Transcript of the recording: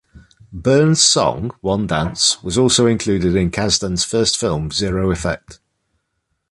Bern's song "One Dance" was also included in Kasdan's first film "Zero Effect".